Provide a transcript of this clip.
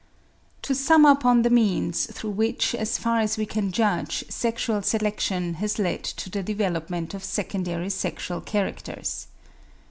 To sum up on the means through which, as far as we can judge, sexual selection has led to the development of secondary sexual characters.